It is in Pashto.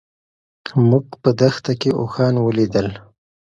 موږ په دښته کې اوښان ولیدل.